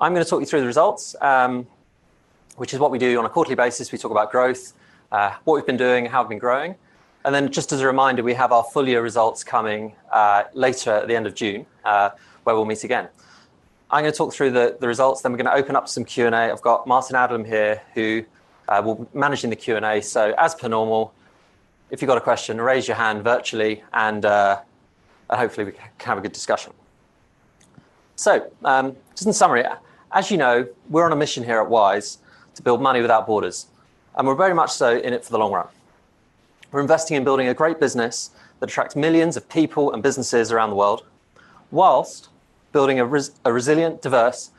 I'm gonna talk you through the results, which is what we do on a quarterly basis. We talk about growth, what we've been doing and how we've been growing. Just as a reminder, we have our full year results coming later at the end of June, where we'll meet again. I'm gonna talk through the results, we're gonna open up some Q&A. I've got Martyn Adlam here, who managing the Q&A. As per normal, if you've got a question, raise your hand virtually, hopefully we can have a good discussion. Just in summary, as you know, we're on a mission here at Wise to build money without borders, we're very much so in it for the long run. We're investing in building a great business that attracts millions of people and businesses around the world whilst building a resilient, diverse,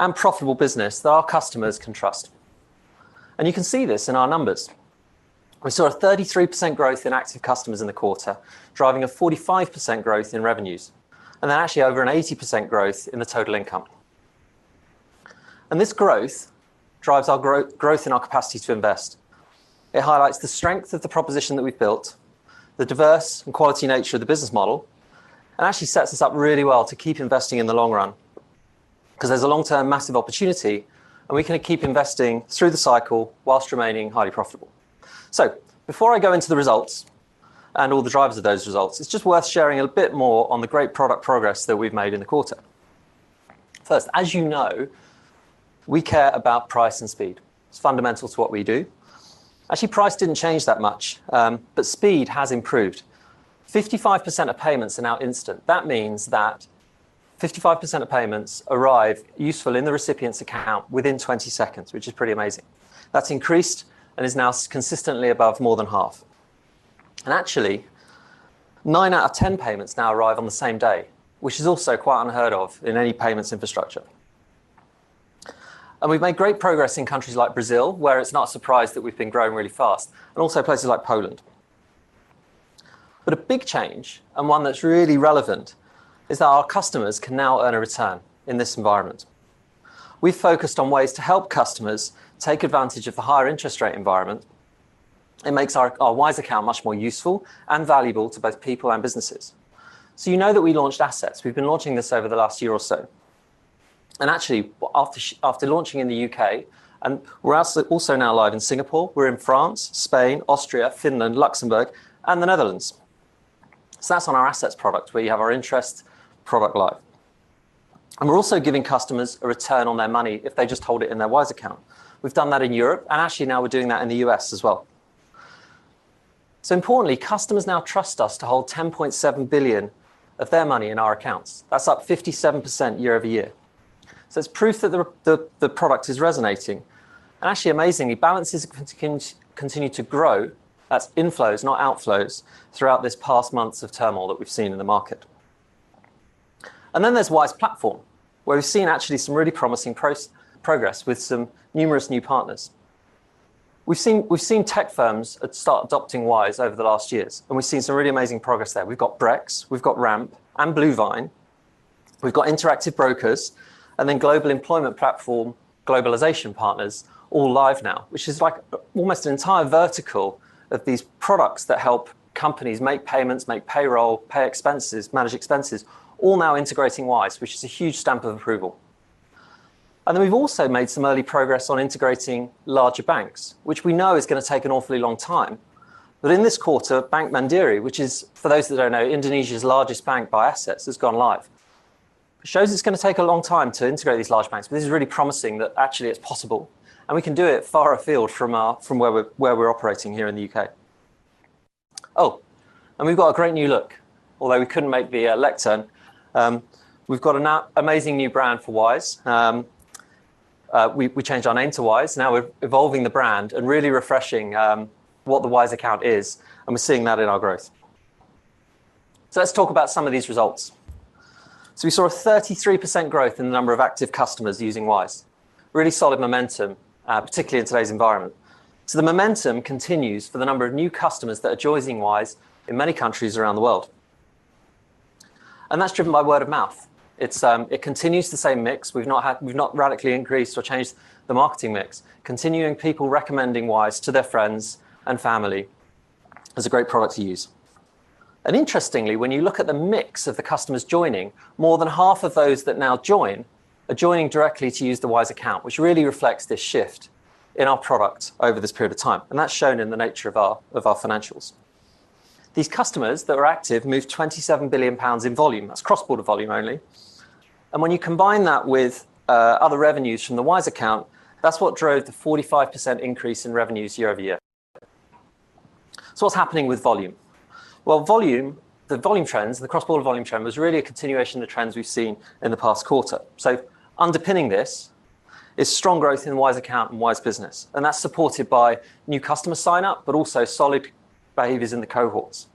and profitable business that our customers can trust. You can see this in our numbers. We saw a 33% growth in active customers in the quarter, driving a 45% growth in revenues, and then actually over an 80% growth in the total income. This growth drives our growth in our capacity to invest. It highlights the strength of the proposition that we've built, the diverse and quality nature of the business model, and actually sets us up really well to keep investing in the long run 'cause there's a long-term massive opportunity, and we can keep investing through the cycle whilst remaining highly profitable. Before I go into the results and all the drivers of those results, it's just worth sharing a bit more on the great product progress that we've made in the quarter. First, as you know, we care about price and speed. It's fundamental to what we do. Actually, price didn't change that much, but speed has improved. 55% of payments are now instant. That means that 55% of payments arrive useful in the recipient's account within 20 seconds, which is pretty amazing. That's increased and is now consistently above more than half. Actually, nine out of 10 payments now arrive on the same day, which is also quite unheard of in any payments infrastructure. We've made great progress in countries like Brazil, where it's not a surprise that we've been growing really fast, and also places like Poland. A big change, and one that's really relevant, is that our customers can now earn a return in this environment. We've focused on ways to help customers take advantage of the higher interest rate environment. It makes our Wise Account much more useful and valuable to both people and businesses. You know that we launched Assets. We've been launching this over the last year or so. Actually, after launching in the U.K., and we're also now live in Singapore, we're in France, Spain, Austria, Finland, Luxembourg, and The Netherlands. That's on our Assets product, where you have our interest product live. We're also giving customers a return on their money if they just hold it in their Wise Account. We've done that in Europe, and actually now we're doing that in the U.S. as well. Importantly, customers now trust us to hold 10.7 billion of their money in our accounts. That's up 57% year-over-year. It's proof that the product is resonating. Actually amazingly, balances continue to grow, that's inflows, not outflows, throughout this past months of turmoil that we've seen in the market. Then there's Wise Platform, where we've seen actually some really promising progress with some numerous new partners. We've seen tech firms start adopting Wise over the last years, and we've seen some really amazing progress there. We've got Brex, we've got Ramp and Bluevine, we've got Interactive Brokers, then global employment platform, Globalization Partners, all live now, which is like almost an entire vertical of these products that help companies make payments, make payroll, pay expenses, manage expenses, all now integrating Wise, which is a huge stamp of approval. Then we've also made some early progress on integrating larger banks, which we know is gonna take an awfully long time. In this quarter, Bank Mandiri, which is, for those that don't know, Indonesia's largest bank by assets, has gone live. It shows it's gonna take a long time to integrate these large banks, but this is really promising that actually it's possible, and we can do it far afield from where we're operating here in the U.K. Oh, we've got a great new look. Although we couldn't make the lectern, we've got an amazing new brand for Wise. We changed our name to Wise, now we're evolving the brand and really refreshing what the Wise Account is, and we're seeing that in our growth. Let's talk about some of these results. We saw a 33% growth in the number of active customers using Wise. Really solid momentum, particularly in today's environment. The momentum continues for the number of new customers that are joining Wise in many countries around the world. That's driven by word of mouth. It continues the same mix. We've not radically increased or changed the marketing mix. Continuing people recommending Wise to their friends and family as a great product to use. Interestingly, when you look at the mix of the customers joining, more than half of those that now join are joining directly to use the Wise Account, which really reflects this shift in our product over this period of time, and that's shown in the nature of our financials. These customers that are active move 27 billion pounds in volume. That's cross-border volume only. When you combine that with other revenues from the Wise Account, that's what drove the 45% increase in revenues year-over-year. What's happening with volume? Volume, the volume trends, the cross-border volume trend, was really a continuation of the trends we've seen in the past quarter. Underpinning this is strong growth in Wise Account and Wise Business, and that's supported by new customer sign-up, but also solid behaviors in the cohorts.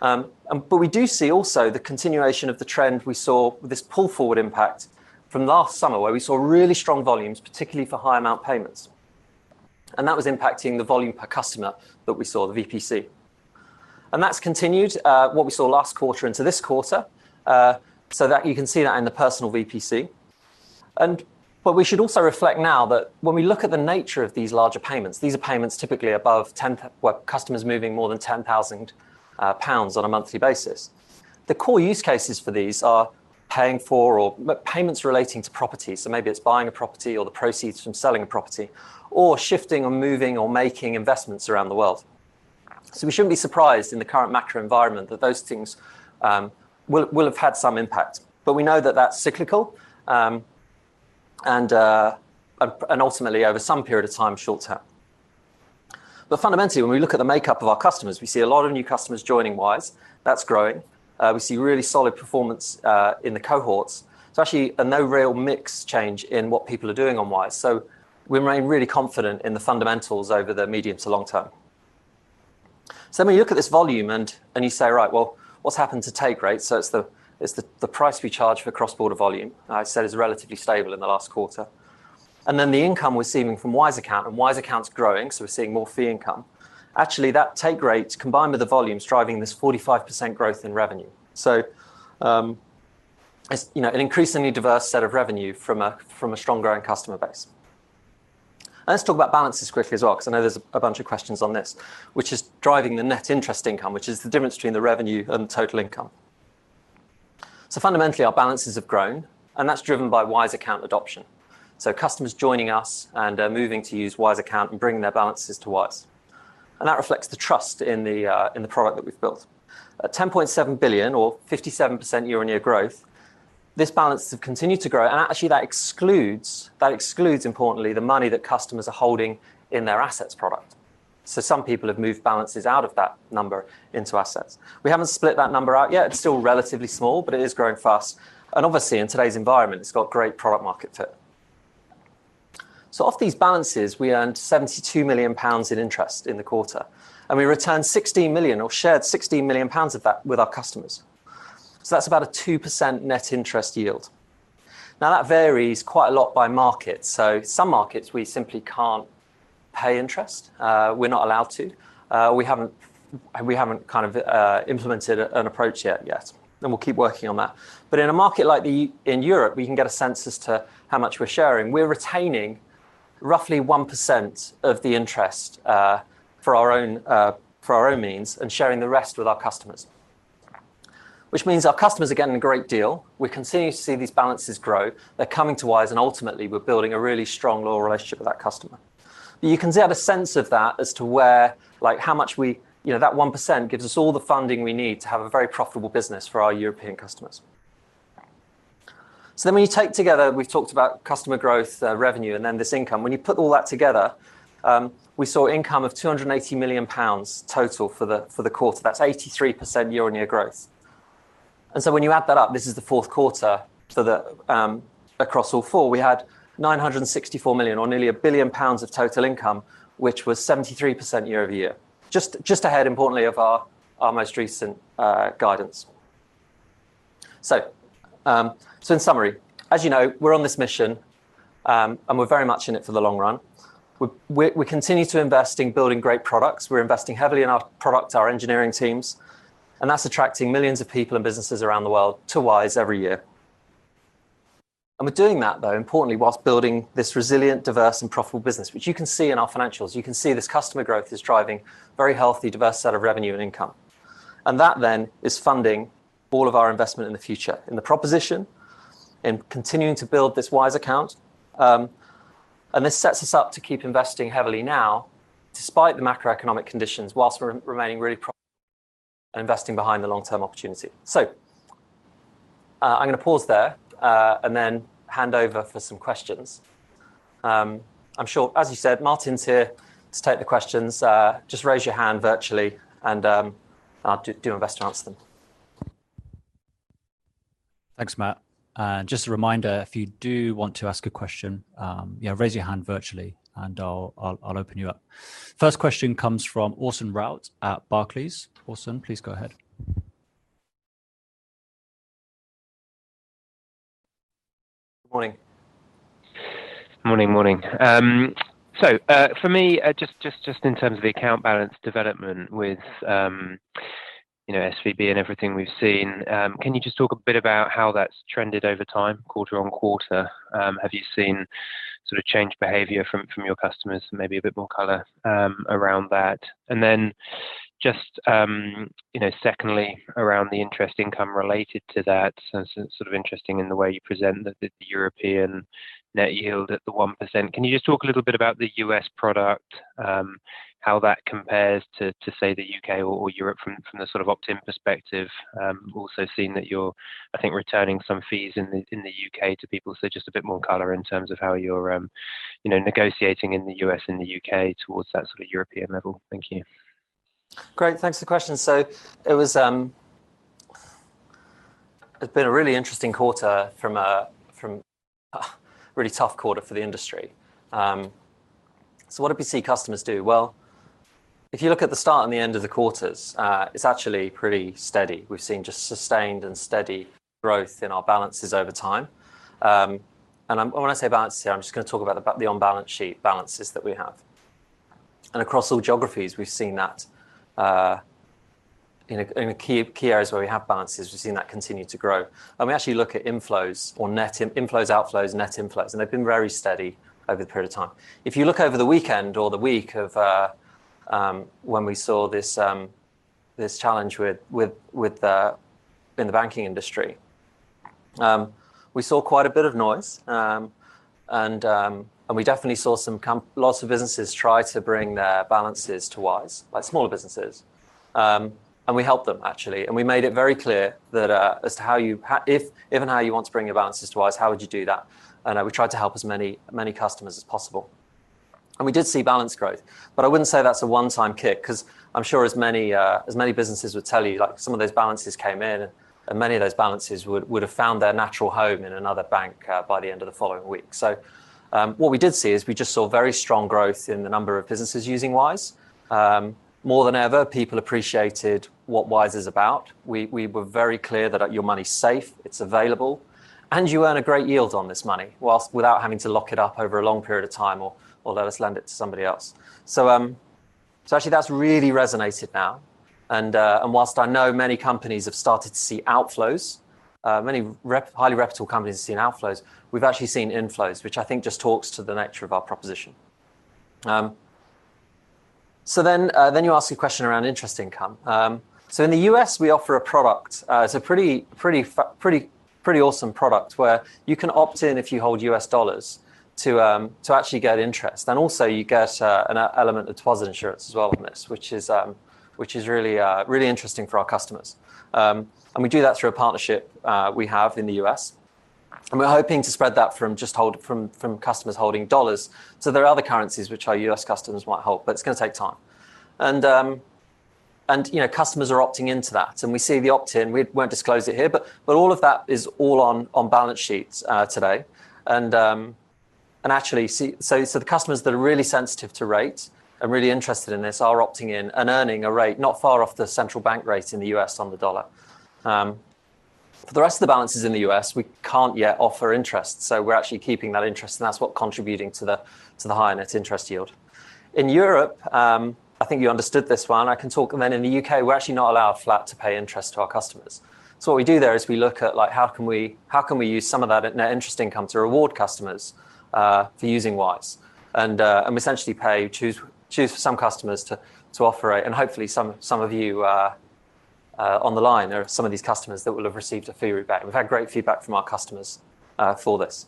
But we do see also the continuation of the trend we saw with this pull-forward impact from last summer, where we saw really strong volumes, particularly for high amount payments. That was impacting the volume per customer that we saw, the VPC. That's continued what we saw last quarter into this quarter, so that you can see that in the personal VPC. And we should also reflect now that when we look at the nature of these larger payments, these are payments typically above where customers moving more than 10,000 pounds on a monthly basis. The core use cases for these are paying for or payments relating to property. Maybe it's buying a property or the proceeds from selling a property or shifting or moving or making investments around the world. We shouldn't be surprised in the current macro environment that those things will have had some impact. We know that that's cyclical, and ultimately, over some period of time, short-term. Fundamentally, when we look at the makeup of our customers, we see a lot of new customers joining Wise. That's growing. We see really solid performance in the cohorts. It's actually no real mix change in what people are doing on Wise. We remain really confident in the fundamentals over the medium to long term. Let me look at this volume and you say, right, well, what's happened to take rate? It's the price we charge for cross-border volume. I said it's relatively stable in the last quarter. Then the income we're seeing from Wise Account, and Wise Account's growing, so we're seeing more fee income. Actually, that take rate combined with the volume is driving this 45% growth in revenue. As, you know, an increasingly diverse set of revenue from a strong growing customer base. Let's talk about balances quickly as well because I know there's a bunch of questions on this, which is driving the net interest income, which is the difference between the revenue and total income. Fundamentally, our balances have grown, and that's driven by Wise Account adoption. Customers joining us and are moving to use Wise Account and bringing their balances to Wise. That reflects the trust in the product that we've built. At 10.7 billion or 57% year-on-year growth, this balance has continued to grow, and actually that excludes importantly the money that customers are holding in their Assets product. Some people have moved balances out of that number into Assets. We haven't split that number out yet. It's still relatively small, but it is growing fast. Obviously, in today's environment, it's got great product market fit. Off these balances, we earned 72 million pounds in interest in the quarter, and we returned 16 million or shared 16 million pounds of that with our customers. That's about a 2% net interest yield. Now, that varies quite a lot by market. Some markets we simply can't pay interest. We're not allowed to. We haven't kind of implemented an approach yet. We'll keep working on that. In a market like in Europe, we can get a sense as to how much we're sharing. We're retaining roughly 1% of the interest for our own, for our own means and sharing the rest with our customers. Which means our customers are getting a great deal. We continue to see these balances grow. They're coming to Wise, ultimately, we're building a really strong loyal relationship with that customer. You can have a sense of that as to where, like, how much we... You know, that 1% gives us all the funding we need to have a very profitable business for our European customers. When you take together, we've talked about customer growth, revenue, and then this income. When you put all that together, we saw income of 280 million pounds total for the quarter. That's 83% year-on-year growth. When you add that up, this is the fourth quarter, so the across all four. We had 964 million or nearly 1 billion pounds of total income, which was 73% year-over-year. Just ahead, importantly, of our most recent guidance. In summary, as you know, we're on this mission, and we're very much in it for the long run. We're continuing to invest in building great products. We're investing heavily in our product, our engineering teams, and that's attracting millions of people and businesses around the world to Wise every year. We're doing that, though, importantly, whilst building this resilient, diverse, and profitable business, which you can see in our financials. You can see this customer growth is driving very healthy, diverse set of revenue and income. That then is funding all of our investment in the future, in the proposition, in continuing to build this Wise Account. This sets us up to keep investing heavily now despite the macroeconomic conditions whilst remaining really profitable and investing behind the long-term opportunity. I'm gonna pause there, and then hand over for some questions. I'm sure, as you said, Martyn's here to take the questions. Just raise your hand virtually, and I'll do my best to answer them. Thanks, Matt. Just a reminder, if you do want to ask a question, you know, raise your hand virtually, and I'll open you up. First question comes from Orson Rout at Barclays. Orson, please go ahead. Morning. Morning, morning. For me, just in terms of the account balance development with, you know, SVB and everything we've seen, can you just talk a bit about how that's trended over time, quarter-on-quarter? Have you seen sort of changed behavior from your customers? Maybe a bit more color around that. You know, secondly, around the interest income related to that. It's sort of interesting in the way you present the European net yield at the 1%. Can you just talk a little bit about the U.S. product, how that compares to say the U.K. or Europe from the sort of opt-in perspective? Also seeing that you're, I think, returning some fees in the U.K. to people. Just a bit more color in terms of how you're, you know, negotiating in the U.S. and the U.K. towards that sort of European level. Thank you. Great. Thanks for the question. It's been a really interesting quarter from a, from a really tough quarter for the industry. What did we see customers do? Well, if you look at the start and the end of the quarters, it's actually pretty steady. We've seen just sustained and steady growth in our balances over time. When I say balances here, I'm just gonna talk about the on-balance sheet balances that we have. Across all geographies, we've seen that in the key areas where we have balances, we've seen that continue to grow. We actually look at inflows or net inflows, outflows, net inflows, and they've been very steady over the period of time. If you look over the weekend or the week of when we saw this challenge with in the banking industry, we saw quite a bit of noise. We definitely saw Lots of businesses try to bring their balances to Wise, like smaller businesses. We helped them actually, and we made it very clear that as to how you if and how you want to bring your balances to Wise, how would you do that? We tried to help as many customers as possible. We did see balance growth, but I wouldn't say that's a one-time kick 'cause I'm sure as many, as many businesses would tell you, like some of those balances came in, and many of those balances would have found their natural home in another bank, by the end of the following week. What we did see is we just saw very strong growth in the number of businesses using Wise. More than ever, people appreciated what Wise is about. We were very clear that your money's safe, it's available, and you earn a great yield on this money whilst without having to lock it up over a long period of time or let us lend it to somebody else. Actually that's really resonated now. While I know many companies have started to see outflows, many highly reputable companies have seen outflows. We've actually seen inflows, which I think just talks to the nature of our proposition. Then you asked a question around interest income. In the U.S., we offer a product, it's a pretty awesome product where you can opt in if you hold U.S. dollars to actually get interest. Also you get an element of deposit insurance as well in this. Mm-hmm. Which is, which is really, really interesting for our customers. We do that through a partnership we have in the U.S. We're hoping to spread that from customers holding U.S. dollars. There are other currencies which our U.S. customers might hold, but it's gonna take time. You know, customers are opting into that, and we see the opt-in, we won't disclose it here, but all of that is all on balance sheets today. Actually, so the customers that are really sensitive to rate and really interested in this are opting in and earning a rate not far off the central bank rate in the U.S. on the U.S. dollar. For the rest of the balances in the U.S., we can't yet offer interest, so we're actually keeping that interest and that's what contributing to the high net interest yield. In Europe, I think you understood this one. I can talk then in the U.K., we're actually not allowed flat to pay interest to our customers. What we do there is we look at like how can we, how can we use some of that in net interest income to reward customers for using Wise? We essentially pay, choose for some customers to offer a... Hopefully some of you on the line are some of these customers that will have received a fee rebate. We've had great feedback from our customers for this.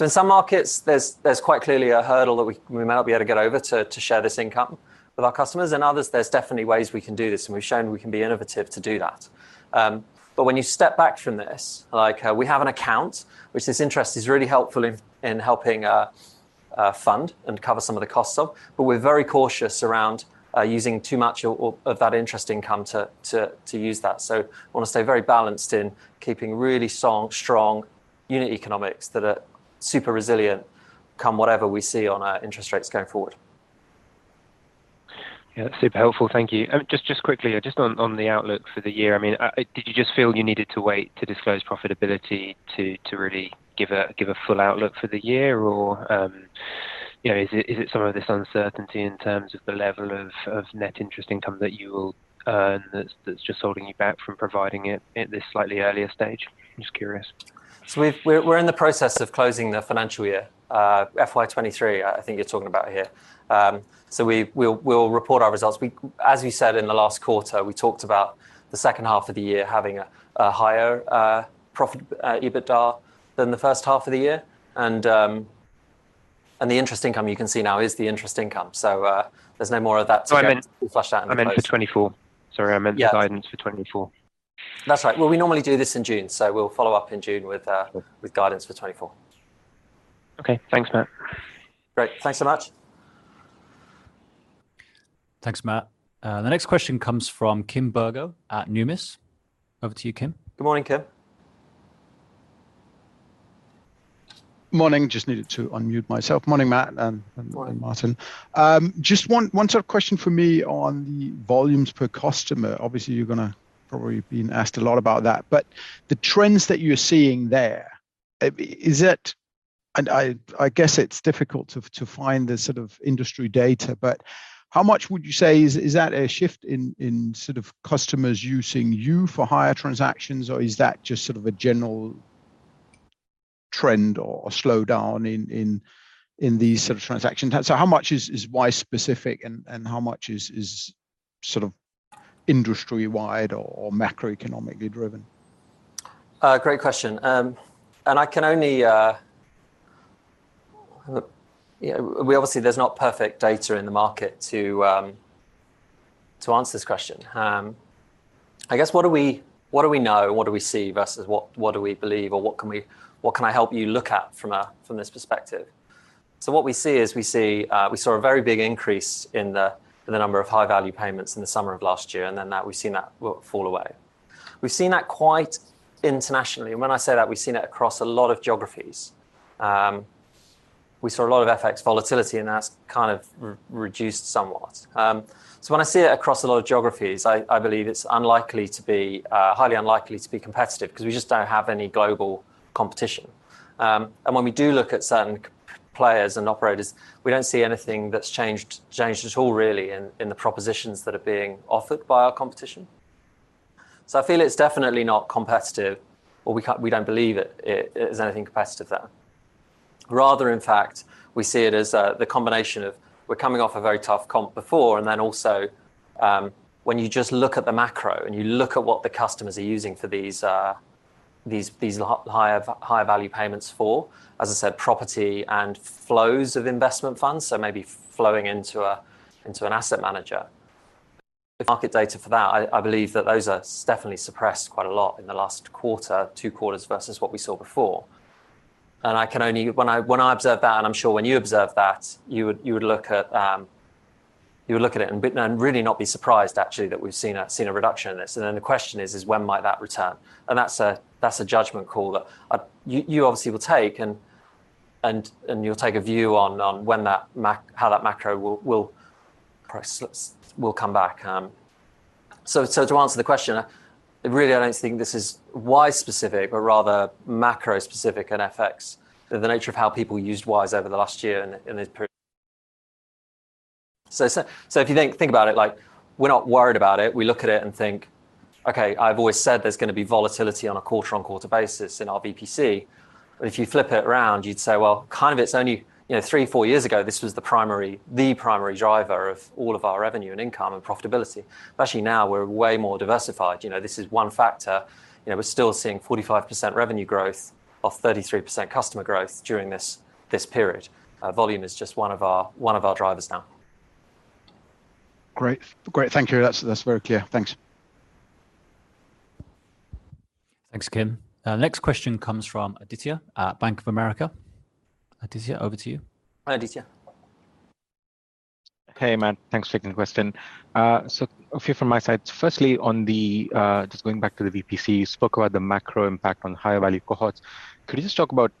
In some markets, there's quite clearly a hurdle that we may not be able to get over to share this income with our customers, and others there's definitely ways we can do this, and we've shown we can be innovative to do that. When you step back from this, like, we have an account which this interest is really helpful in helping a fund and cover some of the costs of, but we're very cautious around using too much of that interest income to use that. Wanna stay very balanced in keeping really strong unit economics that are super resilient come whatever we see on our interest rates going forward. Yeah. Super helpful. Thank you. Just quickly, on the outlook for the year. I mean, did you just feel you needed to wait to disclose profitability to really give a full outlook for the year? Or, you know, is it some of this uncertainty in terms of the level of net interest income that you will, that's just holding you back from providing it at this slightly earlier stage? Just curious. We're in the process of closing the financial year. FY 2023, I think you're talking about here. We'll report our results. As we said in the last quarter, we talked about the second half of the year having a higher profit, EBITDA than the first half of the year. The interest income you can see now is the interest income. There's no more of that. So I meant. To flush out in the close. I meant for 2024. Sorry. Yeah. The guidance for 2024. That's right. Well, we normally do this in June, so we'll follow up in June with. Cool. With guidance for 2024. Okay. Thanks, Matt. Great. Thanks so much. Thanks, Matt. The next question comes from Kim Bergoe at Numis. Over to you, Kim. Good morning, Kim. Morning. Just needed to unmute myself. Morning, Matt and Martyn. Morning. Just one sort of question for me on the volumes per customer. Obviously, you're gonna probably been asked a lot about that, but the trends that you're seeing there, is it... I guess it's difficult to find the sort of industry data, but how much would you say is that a shift in sort of customers using you for higher transactions, or is that just sort of a general trend or a slowdown in these sort of transaction types? How much is Wise specific and how much is sort of industry-wide or macroeconomically driven? Great question. And I can only. You know, we obviously there's not perfect data in the market to answer this question. I guess what do we, what do we know, what do we see versus what do we believe or what can we, what can I help you look at from a, from this perspective? What we see is we see, we saw a very big increase in the number of high-value payments in the summer of last year, and then that we've seen that fall away. We've seen that quite internationally, and when I say that, we've seen it across a lot of geographies. We saw a lot of FX volatility and that's kind of reduced somewhat. When I see it across a lot of geographies, I believe it's unlikely to be highly unlikely to be competitive because we just don't have any global competition. When we do look at certain players and operators, we don't see anything that's changed at all really in the propositions that are being offered by our competition. I feel it's definitely not competitive or we don't believe it is anything competitive there. In fact, we see it as the combination of we're coming off a very tough comp before, and then also, when you just look at the macro and you look at what the customers are using for these higher value payments for, as I said, property and flows of investment funds, so maybe flowing into a, into an asset manager. The market data for that, I believe that those are definitely suppressed quite a lot in the last quarter, two quarters versus what we saw before. When I observe that, and I'm sure when you observe that, you would look at it and really not be surprised actually that we've seen a reduction in this. The question is when might that return? That's a judgment call that you obviously will take and you'll take a view on when that macro will probably come back. To answer the question, really, I don't think this is Wise specific, but rather macro specific and FX, the nature of how people used Wise over the last year. If you think about it, like we're not worried about it. We look at it and think, "Okay, I've always said there's gonna be volatility on a quarter-on-quarter basis in our VPC." If you flip it around, you'd say, well, kind of it's only, you know, three, four years ago, this was the primary driver of all of our revenue and income and profitability. Actually now we're way more diversified. You know, this is one factor. You know, we're still seeing 45% revenue growth off 33% customer growth during this period. Volume is just one of our drivers now. Great. Thank you. That's very clear. Thanks. Thanks, Kim. Our next question comes from Aditya at Bank of America. Aditya, over to you. Hi, Aditya. Hey, Matt. Thanks for taking the question. A few from my side. Firstly, on the VPC, you spoke about the macro impact on higher value cohorts. Could you just talk about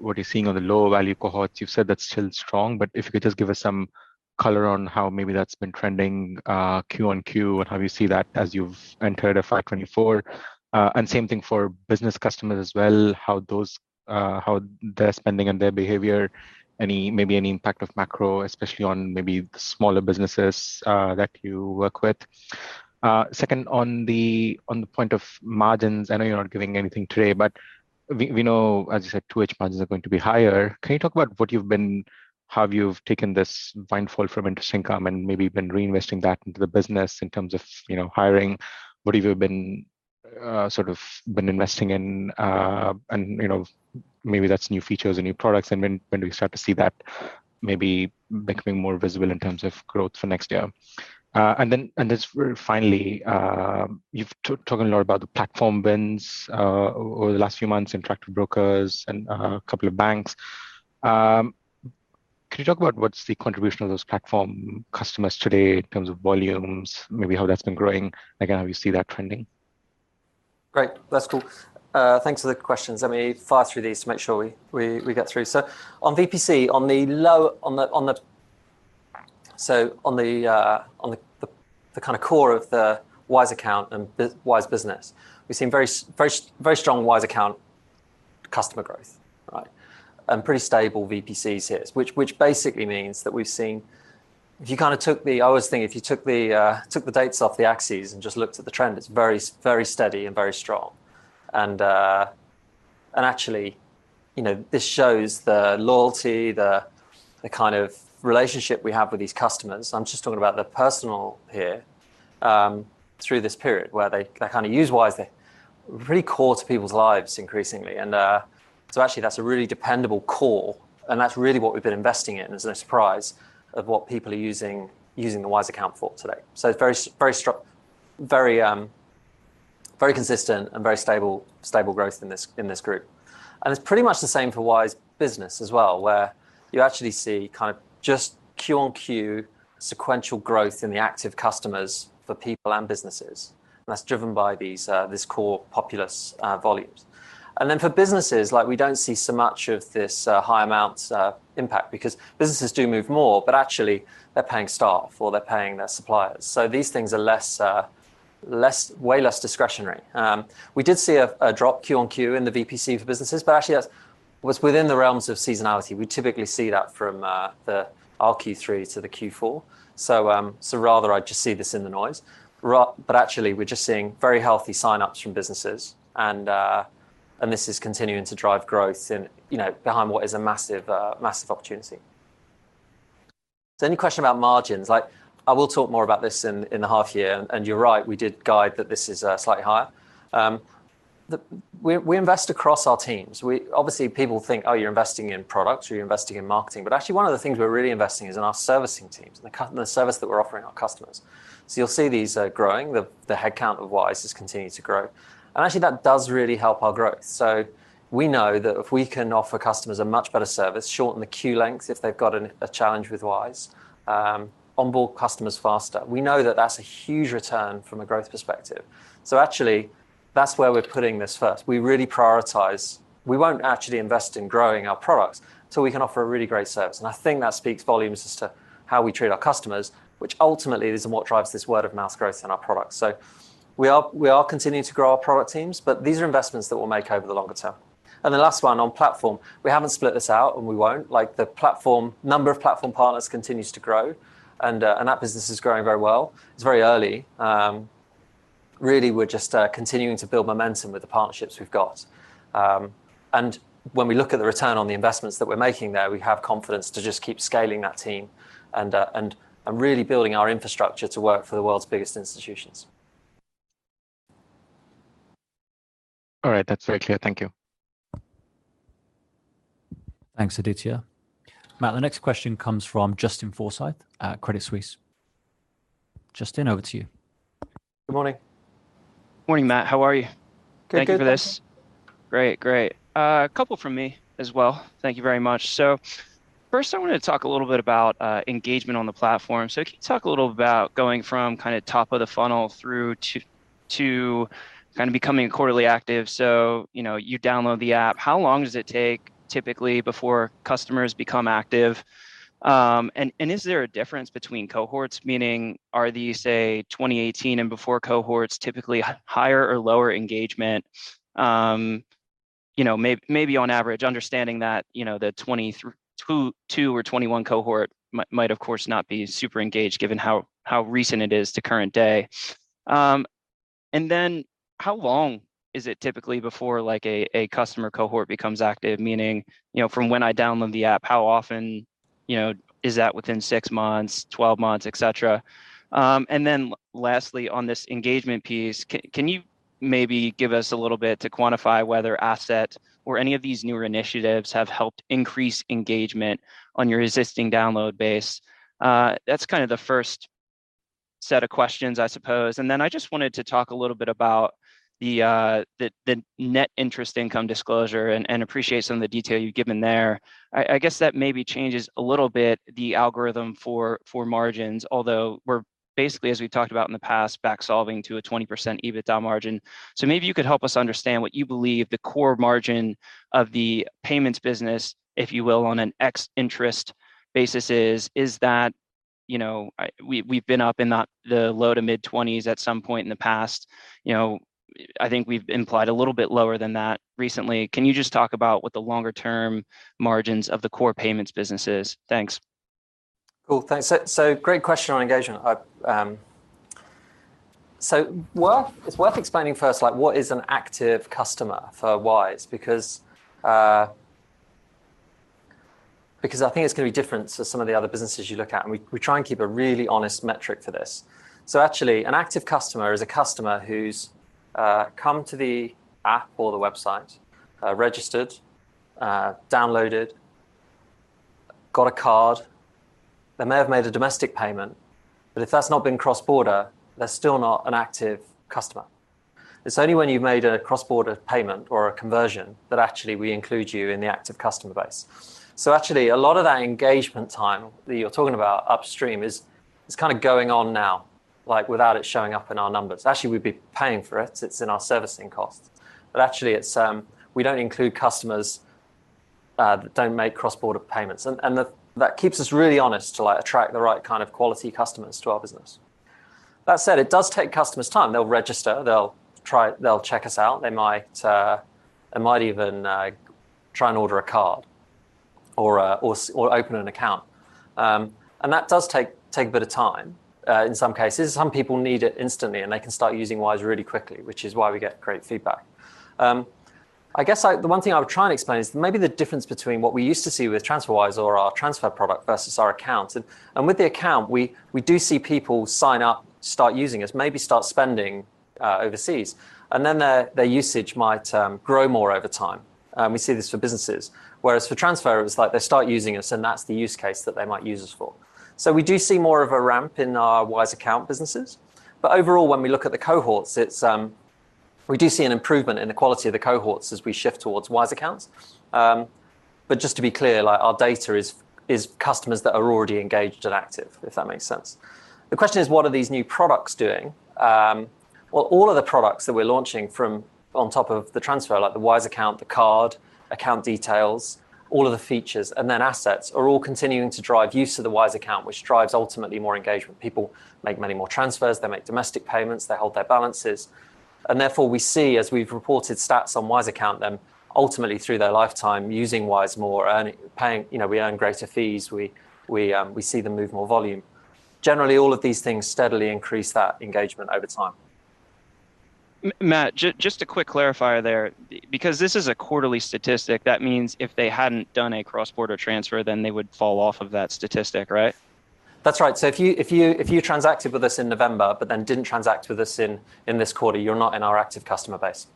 what you're seeing on the lower value cohorts? You've said that's still strong, but if you could just give us some color on how maybe that's been trending Q-on-Q, and how you see that as you've entered FY 2024. Same thing for business customers as well, how those, how they're spending and their behavior, any, maybe any impact of macro, especially on maybe the smaller businesses that you work with. Second, on the point of margins, I know you're not giving anything today, but we know, as you said, two-edge margins are going to be higher. Can you talk about how you've taken this windfall from interest income and maybe been reinvesting that into the business in terms of, you know, hiring? What have you been, sort of been investing in, and, you know, maybe that's new features or new products, and when do we start to see that maybe becoming more visible in terms of growth for next year? Just finally, you've talked a lot about the platform wins, over the last few months in Interactive Brokers and a couple of banks. Can you talk about what's the contribution of those platform customers today in terms of volumes, maybe how that's been growing, again, how you see that trending? Great. That's cool. Thanks for the questions. Let me fire through these to make sure we get through. On VPC, on the kinda core of the Wise Account and Wise Business, we've seen very strong Wise Account customer growth, right? Pretty stable VPCs here. Which basically means that we've seen, if you kinda took the dates off the axes and just looked at the trend, it's very steady and very strong. Actually, you know, this shows the loyalty, the kind of relationship we have with these customers, and I'm just talking about the personal here, through this period, where they kinda use Wise. They're really core to people's lives increasingly. Actually that's a really dependable core, and that's really what we've been investing in, as no surprise, of what people are using the Wise Account for today. It's very consistent and very stable growth in this, in this group. It's pretty much the same for Wise Business as well, where you actually see kind of just Q-on-Q sequential growth in the active customers for people and businesses. That's driven by these, this core populous volumes. For businesses, we don't see so much of this high amounts impact because businesses do move more, but actually they're paying staff or they're paying their suppliers. These things are less, way less discretionary. We did see a drop Q-on-Q in the VPC for businesses, but actually that was within the realms of seasonality. We typically see that from our Q3 to the Q4. Rather I just see this in the noise. But actually we're just seeing very healthy sign-ups from businesses, and this is continuing to drive growth in, you know, behind what is a massive opportunity. Any question about margins, like I will talk more about this in the half year, and you're right, we did guide that this is slightly higher. We invest across our teams. We... Obviously people think, "Oh, you're investing in products, or you're investing in marketing." Actually one of the things we're really investing in is in our servicing teams and the service that we're offering our customers. You'll see these growing. The headcount of Wise is continuing to grow. Actually that does really help our growth. We know that if we can offer customers a much better service, shorten the queue lengths if they've got a challenge with Wise, onboard customers faster, we know that that's a huge return from a growth perspective. Actually, that's where we're putting this first. We really prioritize. We won't actually invest in growing our products till we can offer a really great service. I think that speaks volumes as to how we treat our customers, which ultimately is then what drives this word-of-mouth growth in our products. We are continuing to grow our product teams, but these are investments that we'll make over the longer term. The last one on Platform, we haven't split this out and we won't. Like the number of Platform partners continues to grow, and that business is growing very well. It's very early. Really, we're just continuing to build momentum with the partnerships we've got. And when we look at the return on the investments that we're making there, we have confidence to just keep scaling that team and really building our infrastructure to work for the world's biggest institutions. All right. That's very clear. Thank you. Thanks, Aditya. Matt, the next question comes from Justin Forsythe at Credit Suisse. Justin, over to you. Good morning. Morning, Matt. How are you? Good. Thank you. Thank you for this. Great. Great. A couple from me as well. Thank you very much. First, I wanted to talk a little bit about engagement on the platform. Can you talk a little about going from kinda top of the funnel through to kind of becoming quarterly active? You know, you download the app, how long does it take typically before customers become active? And is there a difference between cohorts, meaning are the, say, 2018 and before cohorts typically higher or lower engagement? You know, maybe on average, understanding that, you know, the 2022 or 2021 cohort might, of course, not be super engaged given how recent it is to current day. And then how long is it typically before like a customer cohort becomes active? Meaning, you know, from when I download the app, how often, you know, is that within six months, 12 months, et cetera? Lastly, on this engagement piece, can you maybe give us a little bit to quantify whether Assets or any of these newer initiatives have helped increase engagement on your existing download base? That's kinda the first set of questions, I suppose. I just wanted to talk a little bit about the, the net interest income disclosure and appreciate some of the detail you've given there. I guess that maybe changes a little bit the algorithm for margins, although we're basically, as we've talked about in the past, back-solving to a 20% EBITDA margin. Maybe you could help us understand what you believe the core margin of the payments business, if you will, on an ex interest basis is? Is that, you know, We've been up in the low to mid-twenties at some point in the past. You know, I think we've implied a little bit lower than that recently. Can you just talk about what the longer term margins of the core payments business is? Thanks. Cool. Thanks. Great question on engagement. I Well, it's worth explaining first, like, what is an active customer for Wise because I think it's gonna be different to some of the other businesses you look at, and we try and keep a really honest metric for this. Actually, an active customer is a customer who's come to the app or the website, registered, downloaded, got a card. They may have made a domestic payment, but if that's not been cross-border, they're still not an active customer. It's only when you've made a cross-border payment or a conversion that actually we include you in the active customer base. Actually, a lot of that engagement time that you're talking about upstream is kinda going on now, like, without it showing up in our numbers. Actually, we'd be paying for it. It's in our servicing costs. But actually, it's, we don't include customers that don't make cross-border payments. That keeps us really honest to, like, attract the right kind of quality customers to our business. That said, it does take customers time. They'll register, they'll check us out. They might, they might even, try and order a card or open an account. That does take a bit of time in some cases. Some people need it instantly, and they can start using Wise really quickly, which is why we get great feedback. I guess, like, the one thing I would try and explain is maybe the difference between what we used to see with TransferWise or our transfer product versus our account. With the Account, we do see people sign up, start using us, maybe start spending overseas, and then their usage might grow more over time. We see this for businesses. Whereas for Transfer, it was like they start using us, and that's the use case that they might use us for. We do see more of a ramp in our Wise Account businesses. Overall, when we look at the cohorts, we do see an improvement in the quality of the cohorts as we shift towards Wise Accounts. Just to be clear, like our data is customers that are already engaged and active, if that makes sense. The question is, what are these new products doing? Well, all of the products that we're launching from on top of the transfer, like the Wise Account, the card, account details, all of the features, and then Assets are all continuing to drive use of the Wise Account, which drives ultimately more engagement. People make many more transfers. They make domestic payments. They hold their balances. Therefore, we see, as we've reported stats on Wise Account, them ultimately through their lifetime using Wise more, earning, paying. You know, we earn greater fees. We see them move more volume. Generally, all of these things steadily increase that engagement over time. Matt, just a quick clarifier there. Because this is a quarterly statistic, that means if they hadn't done a cross-border transfer, then they would fall off of that statistic, right? That's right. If you transacted with us in November but then didn't transact with us in this quarter, you're not in our active customer base.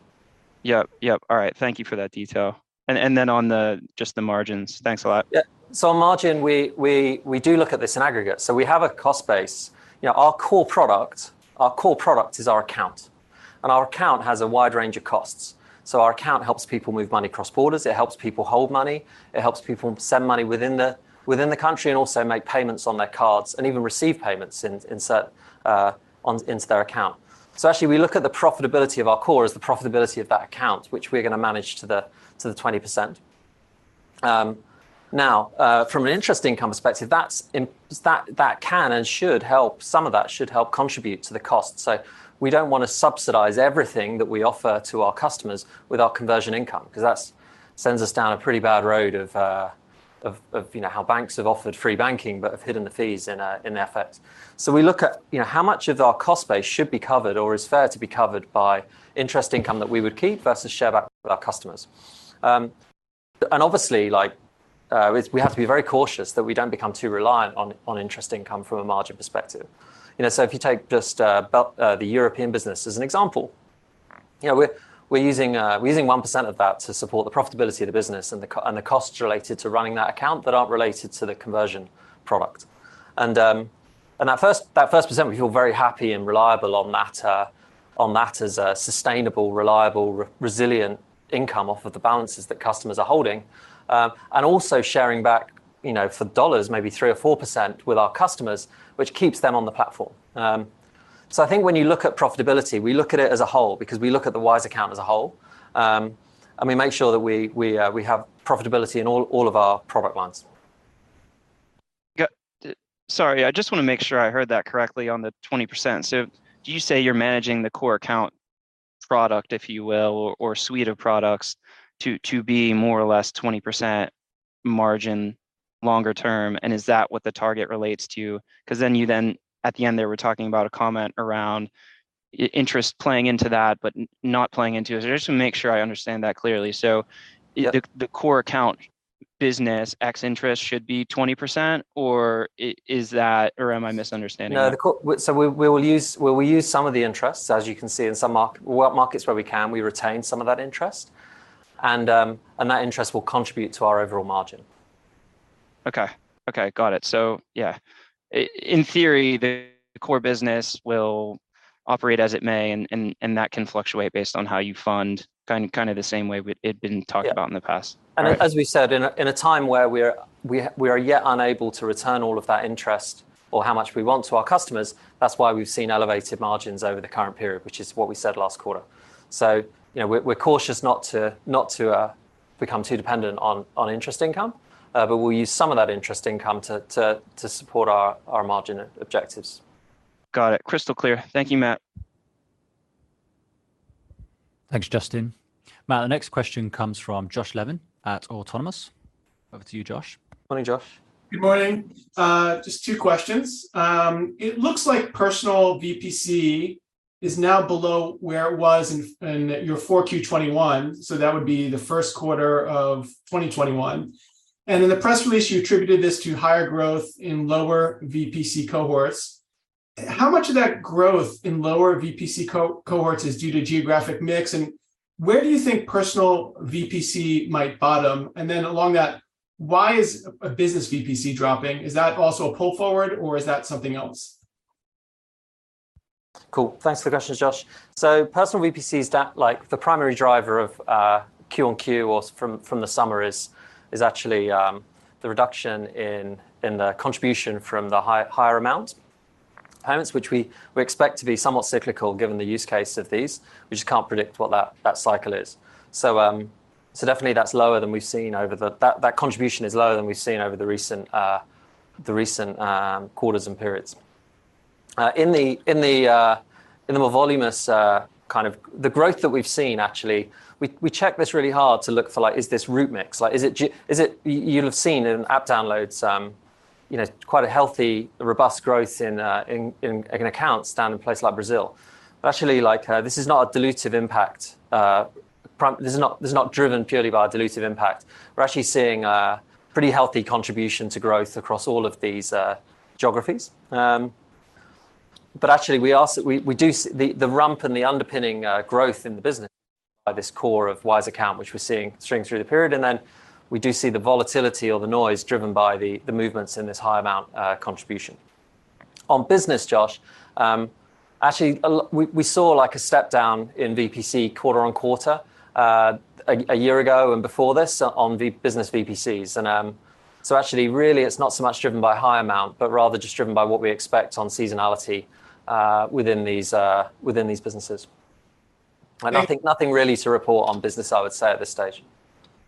Yep. Yep. All right. Thank you for that detail. Then on the, just the margins. Thanks a lot. Yeah. On margin, we do look at this in aggregate. We have a cost base. You know, our core product is our Wise Account. Our Wise Account has a wide range of costs. Our Wise Account helps people move money across borders. It helps people hold money. It helps people send money within the country and also make payments on their cards and even receive payments into their Wise Account. Actually, we look at the profitability of our core as the profitability of that Wise Account, which we're gonna manage to the 20%. Now, from an interest income perspective, that can and should help, some of that should help contribute to the cost. We don't wanna subsidize everything that we offer to our customers with our conversion income, 'cause that's sends us down a pretty bad road of, you know, how banks have offered free banking but have hidden the fees in their fees. We look at, you know, how much of our cost base should be covered or is fair to be covered by interest income that we would keep versus share back with our customers. Obviously, like, we have to be very cautious that we don't become too reliant on interest income from a margin perspective. You know, if you take just the European business as an example, you know, we're using 1% of that to support the profitability of the business and the costs related to running that account that aren't related to the conversion product. That first 1% we feel very happy and reliable on that as a sustainable, reliable, resilient income off of the balances that customers are holding. Also sharing back, you know, for dollars maybe 3% or 4% with our customers, which keeps them on the platform. I think when you look at profitability, we look at it as a whole because we look at the Wise Account as a whole. We make sure that we have profitability in all of our product lines. Got it. Sorry, I just wanna make sure I heard that correctly on the 20%. Do you say you're managing the core Account product, if you will, or suite of products to be more or less 20% margin longer term? Is that what the target relates to? 'Cause then you at the end there were talking about a comment around interest playing into that but not playing into it. Just to make sure I understand that clearly. Yeah.... The core account business ex-interest should be 20%, or is that... or am I misunderstanding? We will use some of the interests, as you can see in some markets where we can, we retain some of that interest. That interest will contribute to our overall margin. Okay. Okay. Got it. Yeah, in theory, the core business will operate as it may and that can fluctuate based on how you fund kinda the same way it'd been talked about in the past, right? Yeah. As we said, in a time where we are yet unable to return all of that interest or how much we want to our customers, that's why we've seen elevated margins over the current period, which is what we said last quarter. You know, we're cautious not to become too dependent on interest income, but we'll use some of that interest income to support our margin objectives. Got it. Crystal clear. Thank you, Matt. Thanks, Justin. Matt, the next question comes from Josh Levin at Autonomous. Over to you, Josh. Morning, Josh. Good morning. Just two questions. It looks like personal VPC is now below where it was in your 4Q 2021, so that would be the first quarter of 2021. In the press release, you attributed this to higher growth in lower VPC cohorts. How much of that growth in lower VPC cohorts is due to geographic mix, and where do you think personal VPC might bottom? Along that, why is a business VPC dropping? Is that also a pull forward, or is that something else? Cool. Thanks for the questions, Josh. Personal VPC is down like the primary driver of Q-on-Q or from the summer is actually the reduction in the contribution from the higher amount claims, which we expect to be somewhat cyclical given the use case of these. We just can't predict what that cycle is. That contribution is lower than we've seen over the recent, the recent quarters and periods. The growth that we've seen, actually, we check this really hard to look for like, is this root mix? You'll have seen in app downloads, you know, quite a healthy, robust growth in, like an account standard place like Brazil. Actually, this is not a dilutive impact. This is not driven purely by a dilutive impact. We're actually seeing a pretty healthy contribution to growth across all of these geographies. Actually, we ask that we do the rump and the underpinning growth in the business by this core of Wise Account, which we're seeing string through the period, and then we do see the volatility or the noise driven by the movements in this high amount contribution. On Business, Josh, actually, We saw like a step down in VPC quarter-on-quarter a year ago and before this on the Business VPCs. Actually, really, it's not so much driven by high amount, but rather just driven by what we expect on seasonality, within these, within these businesses. Yeah. Nothing really to report on Business, I would say at this stage.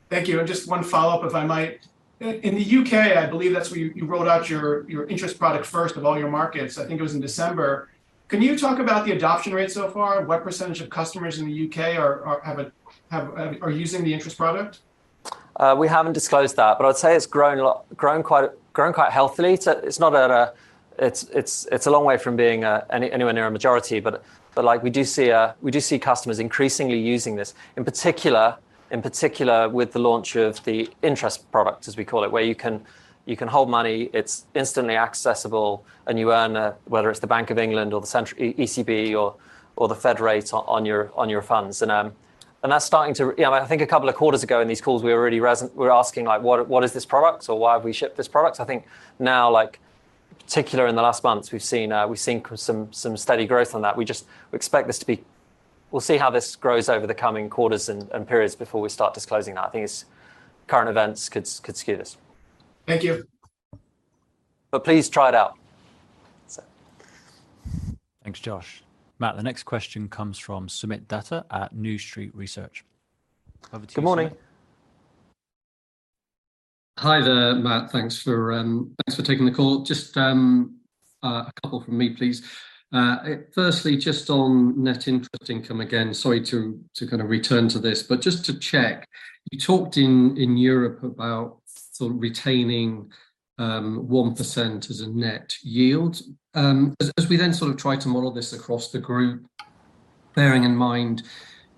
Thank you. Just one follow-up, if I might. In the U.K., I believe that's where you rolled out your interest product first of all your markets. I think it was in December. Can you talk about the adoption rate so far? What percentage of customers in the U.K. are using the interest product? We haven't disclosed that, but I'd say it's grown a lot, grown quite healthily. It's a long way from being anywhere near a majority, but like we do see customers increasingly using this. In particular with the launch of the interest product, as we call it, where you can hold money, it's instantly accessible, and you earn, whether it's the Bank of England or the ECB or the Fed rate on your funds. That's starting to... You know, I think a couple of quarters ago in these calls, we were already asking like, "What is this product?" Or, "Why have we shipped this product?" I think now, like particular in the last months, we've seen some steady growth on that. We expect this to be... We'll see how this grows over the coming quarters and periods before we start disclosing that. I think it's current events could skew this. Thank you. Please try it out. So. Thanks, Josh. Matt, the next question comes from Soomit Datta at New Street Research. Over to you, Soomit. Good morning. Hi there, Matt. Thanks for taking the call. Just a couple from me, please. Firstly, just on net interest income again, sorry to kinda return to this, but just to check, you talked in Europe about sort of retaining 1% as a net yield. As we then sort of try to model this across the group, bearing in mind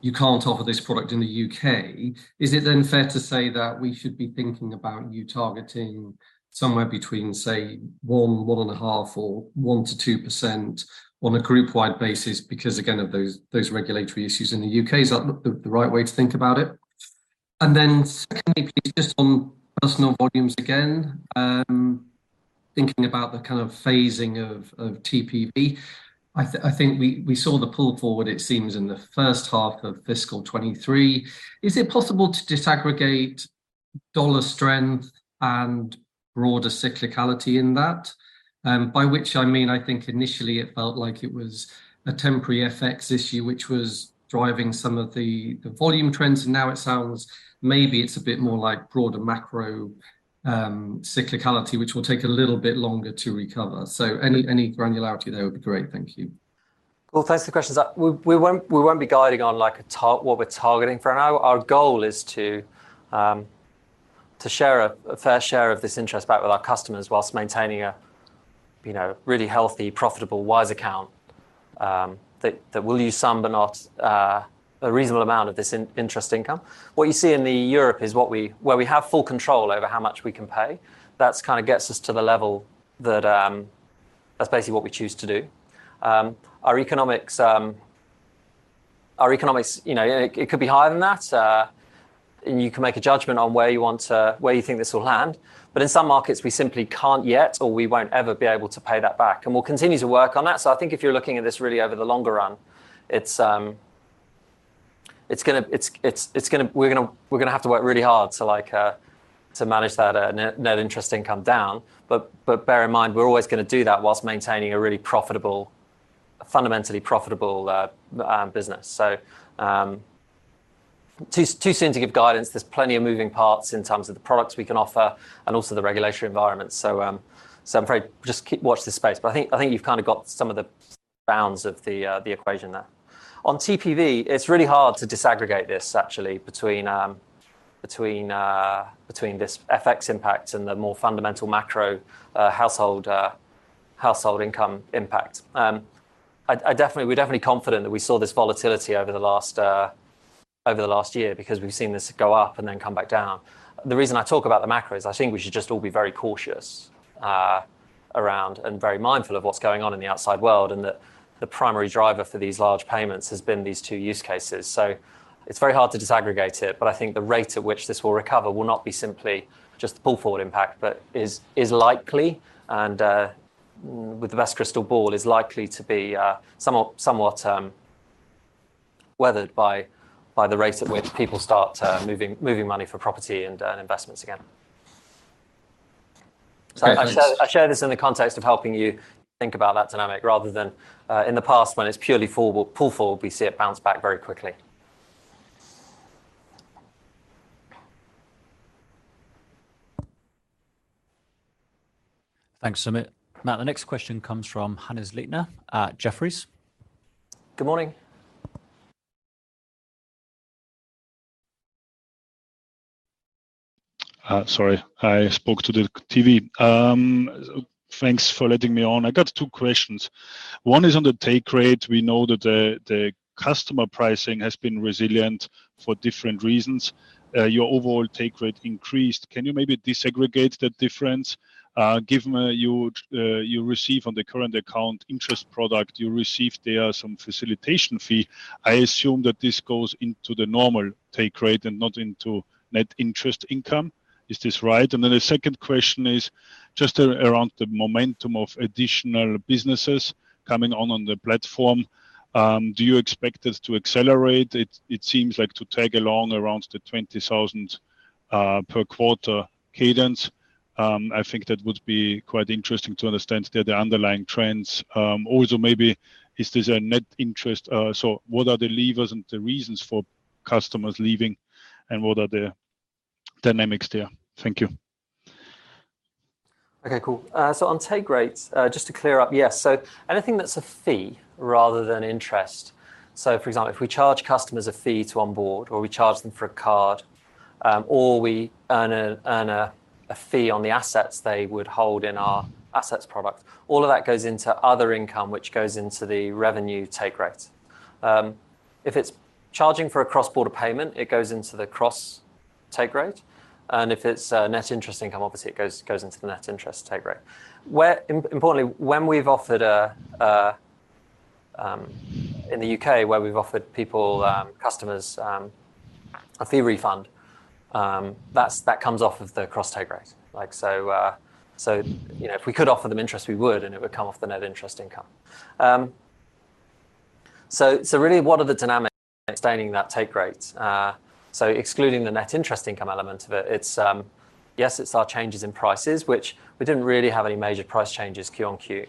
you can't offer this product in the U.K., is it then fair to say that we should be thinking about you targeting somewhere between, say, 1%-1.5% or 1%-2% on a group-wide basis because again, of those regulatory issues in the U.K.? Is that the right way to think about it? Secondly, please, just on personal volumes again, thinking about the kind of phasing of TPV, I think we saw the pull forward it seems in the first half of fiscal 2023. Is it possible to disaggregate dollar strength and broader cyclicality in that? By which I mean, I think initially it felt like it was a temporary FX issue, which was driving some of the volume trends, and now it sounds maybe it's a bit more like broader macro cyclicality, which will take a little bit longer to recover. Any granularity there would be great. Thank you. Well, thanks for the questions. We won't be guiding on like what we're targeting for now. Our goal is to share a fair share of this interest back with our customers whilst maintaining a, you know, really healthy, profitable Wise Account, that will use some but not a reasonable amount of this interest income. What you see in the Europe is where we have full control over how much we can pay. That's kinda gets us to the level that's basically what we choose to do. Our economics, you know, it could be higher than that, and you can make a judgment on where you think this will land. In some markets, we simply can't yet, or we won't ever be able to pay that back. We'll continue to work on that. I think if you're looking at this really over the longer run, it's gonna, we're gonna have to work really hard to like, to manage that net interest income down. Bear in mind, we're always gonna do that whilst maintaining a really profitable, fundamentally profitable business. Too soon to give guidance. There's plenty of moving parts in terms of the products we can offer and also the regulatory environment. I'm afraid just keep watch this space. I think you've kinda got some of the bounds of the equation there. On TPV, it's really hard to disaggregate this actually between this FX impact and the more fundamental macro, household income impact. I definitely, we're definitely confident that we saw this volatility over the last year because we've seen this go up and then come back down. The reason I talk about the macro is I think we should just all be very cautious around and very mindful of what's going on in the outside world, and that the primary driver for these large payments has been these two use cases. It's very hard to disaggregate it, but I think the rate at which this will recover will not be simply just the pull-forward impact, but is likely and with the best crystal ball, is likely to be somewhat weathered by the rate at which people start moving money for property and investments again. Okay, thanks. I share this in the context of helping you think about that dynamic rather than in the past when it's purely pull forward, we see it bounce back very quickly. Thanks, Sumit. Matt, the next question comes from Hannes Leitner at Jefferies. Good morning. Sorry, I spoke to the TV. Thanks for letting me on. I got two questions. One is on the take rate. We know that the customer pricing has been resilient for different reasons. Your overall take rate increased. Can you maybe disaggregate that difference? Given you receive on the current account interest product, you receive there some facilitation fee, I assume that this goes into the normal take rate and not into net interest income. Is this right? The second question is just around the momentum of additional businesses coming on on the platform. Do you expect this to accelerate? It seems like to tag along around the 20,000 per quarter cadence. I think that would be quite interesting to understand the underlying trends. Also maybe is this a net interest? What are the leavers and the reasons for customers leaving, and what are the dynamics there? Thank you. Okay, cool. On take rates, just to clear up, yes. Anything that's a fee rather than interest, so for example, if we charge customers a fee to onboard, or we charge them for a card, or we earn a fee on the Assets they would hold in our Assets product, all of that goes into other income, which goes into the revenue take rate. If it's charging for a cross-border payment, it goes into the cross-border take rate. If it's net interest income, obviously, it goes into the net interest take rate. Where importantly, when we've offered a in the U.K., where we've offered people, customers, a fee refund, that comes off of the cross-border take rate. Like, so, you know, if we could offer them interest, we would, and it would come off the net interest income. Really what are the dynamics sustaining that take rates? Excluding the net interest income element of it's, yes, it's our changes in prices, which we didn't really have any major price changes Q-on-Q.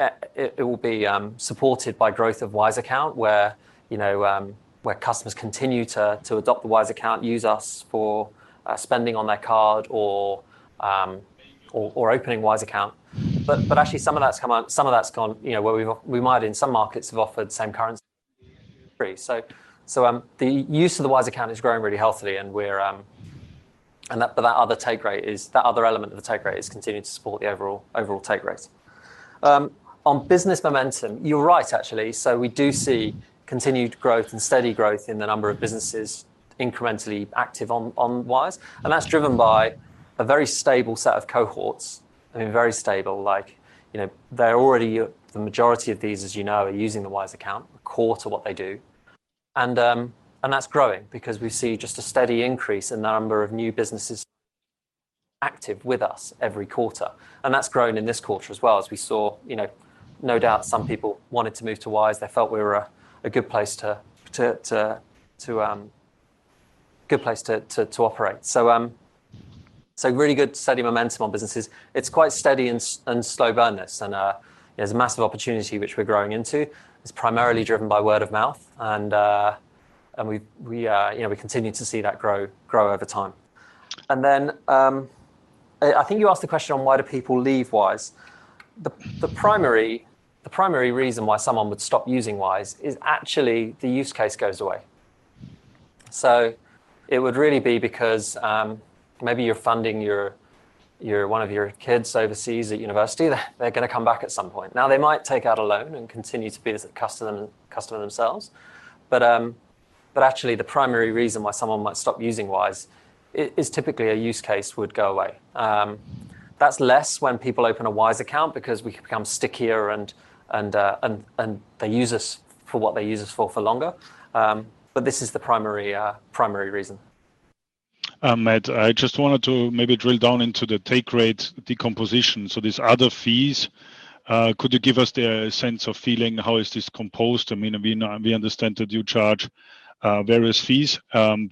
It will be supported by growth of Wise Account where, you know, where customers continue to adopt the Wise Account, use us for spending on their card or opening Wise Account. Actually some of that's gone, you know, where we've, we might in some markets have offered same currency. The use of the Wise Account is growing really healthily and we're... That other element of the take rate is continuing to support the overall take rate. On business momentum, you're right actually. We do see continued growth and steady growth in the number of businesses incrementally active on Wise, and that's driven by a very stable set of cohorts. I mean, very stable like, you know, the majority of these, as you know, are using the Wise Account, core to what they do. That's growing because we see just a steady increase in the number of new businesses active with us every quarter. That's grown in this quarter as well as we saw, you know, no doubt some people wanted to move to Wise. They felt we were a good place to operate. Really good steady momentum on businesses. It's quite steady and slow burners and there's a massive opportunity which we're growing into. It's primarily driven by word of mouth and we, you know, we continue to see that grow over time. I think you asked the question on why do people leave Wise. The primary reason why someone would stop using Wise is actually the use case goes away. It would really be because, maybe you're funding your, one of your kids overseas at university. They're gonna come back at some point. Now, they might take out a loan and continue to be a customer themselves, but actually the primary reason why someone might stop using Wise is typically a use case would go away. That's less when people open a Wise Account because we become stickier and they use us for what they use us for longer. This is the primary reason. Matt, I just wanted to maybe drill down into the take rate decomposition. These other fees, could you give us the sense of feeling how is this composed? I mean, we understand that you charge, various fees, I'm